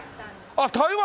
あっ台湾！